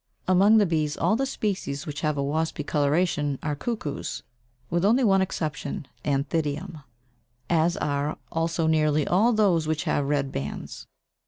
Among the bees, all the species which have a waspy coloration are cuckoos, with only one exception (Anthidium) (pl. D, 27), as are also nearly all those which have red bands.